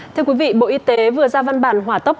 thưa quý vị bộ y tế vừa ra văn bản hỏa tốc